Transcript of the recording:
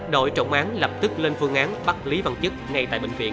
đội trọng án lập tức lên phương án bắt lý văn chức ngay tại bệnh viện